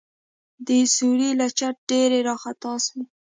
د سوړې له چته ډبرې راخطا سوې.